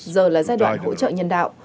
giờ là giai đoạn hỗ trợ nhân đạo